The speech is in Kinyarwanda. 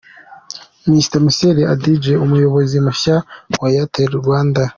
Mr Micheal Adjei umuyobozi mushya wa Airtel Rwanda.